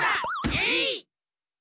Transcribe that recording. えい！